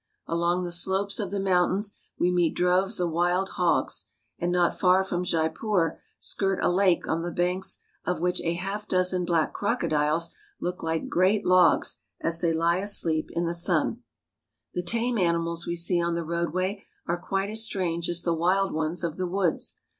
Along the slopes of the mountains we meet droves of wild hogs ; and not far from Jaipur skirt a lake on the banks of which a half dozen black crocodiles look Hke great logs, as they He asleep in the sun. The tame animals we see on the roadway are quite as strange as the wild ones of the woods.